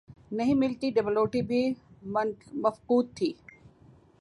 نہیں ملتی، ڈبل روٹی بھی مفقود تھی۔